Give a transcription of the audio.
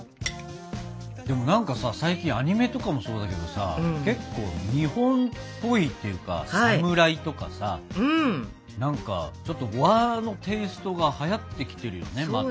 でも何かさ最近アニメとかもそうだけどさ結構日本っぽいっていうかサムライとかさ何かちょっと和のテーストがはやってきてるよねまた。